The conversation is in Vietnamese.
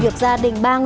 liên quan đến vấn đề này